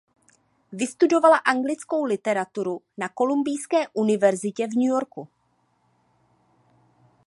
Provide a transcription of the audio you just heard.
Vystudovala anglickou literaturu na Kolumbijské univerzitě v New Yorku.